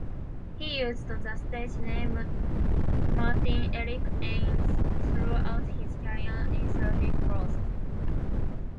He used the stage name Martin Eric Ain throughout his career in Celtic Frost.